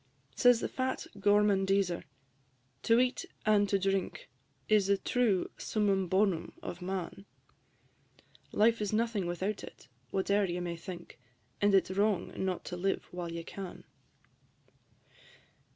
Says the fat Gormandiser, "To eat and to drink Is the true summum bonum of man: Life is nothing without it, whate'er you may think, And it 's wrong not to live while you can."